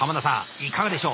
いかがでしょう？